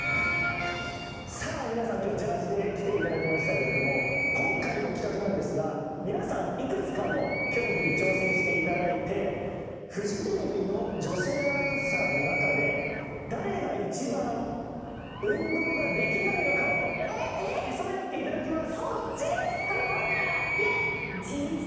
皆さん、今日ジャージーで来ていただきましたが今回の企画なんですが皆さん、いくつかの競技に挑戦していただいてフジテレビの女性アナウンサーの中で誰が一番運動ができないのかを競い合っていただきます！